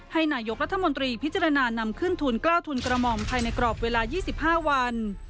ให้นายกรัฐมนตรีพิจารณานำขึ้นทุน๙ทุนกระหม่อมภายในกรอบเวลา๒๕วัน